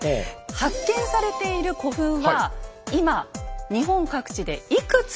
発見されている古墳は今日本各地でいくつあるでしょうか？